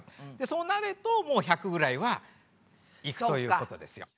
そうなるともう１００ぐらいはいくということですよ。